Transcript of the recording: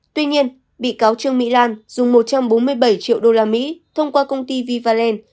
tuy nhiên bị cáo trương mỹ lan dùng một trăm bốn mươi bảy triệu usd thông qua công ty vivaland